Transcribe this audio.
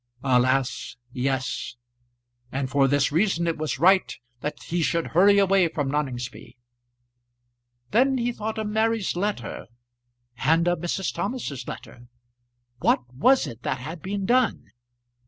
Alas, yes; and for this reason it was right that he should hurry away from Noningsby. Then he thought of Mary's letter, and of Mrs. Thomas's letter. What was it that had been done?